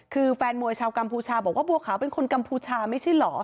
คือแฟนมวยชาวกัมพูชาบอกว่าบัวขาวเป็นคนกัมพูชาไม่ใช่เหรอ